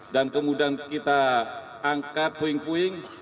dan kemudian kita angkat puing puing